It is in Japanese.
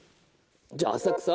じゃあ浅草？